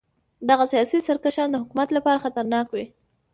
دغه سیاسي سرکښان د حکومت لپاره خطرناک وو.